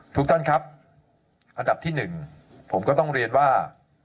ทุกท่านครับอันดับที่๑ผมก็ต้องเรียนว่า